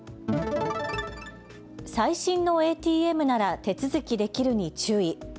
最新のＡＴＭなら手続きできるに注意。